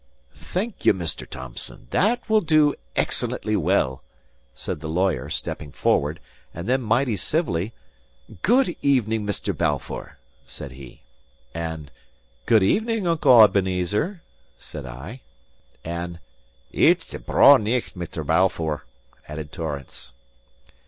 "Thank you, Mr. Thomson. That will do excellently well," said the lawyer, stepping forward; and then mighty civilly, "Good evening, Mr. Balfour," said he. And, "Good evening, Uncle Ebenezer," said I. And, "It's a braw nicht, Mr. Balfour," added Torrance.